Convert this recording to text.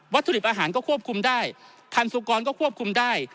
ถุดิบอาหารก็ควบคุมได้ทันสุกรก็ควบคุมได้